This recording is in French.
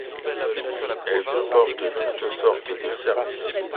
Elle comporte toutes sortes de services.